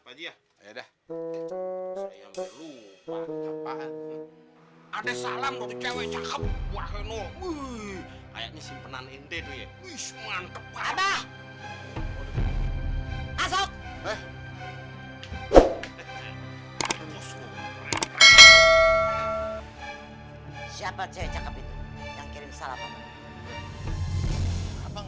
ada salam untuk cewek cakep